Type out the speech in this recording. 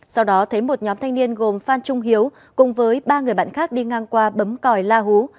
sau đó thấy một nhóm thanh niên gồm phan trung hiếu cùng với ba người bạn khác đi ngang qua bấm còi la hú